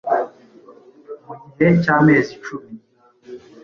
mu gihe cy'amezi icumi